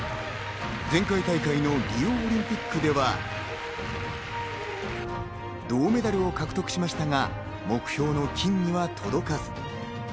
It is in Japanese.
前回大会のリオオリンピックでは、銅メダルを獲得しましたが、目標の金には届かず。